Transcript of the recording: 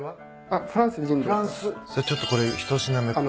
ちょっとこれ１品目。